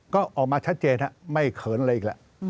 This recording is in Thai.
ก็ออกมาชัดเจนนะไม่เค้นอะไรอีกล่ะ